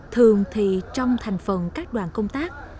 thường thì trong thành phần các đoàn công tác